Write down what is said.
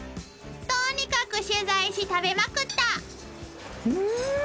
［とにかく取材し食べまくった］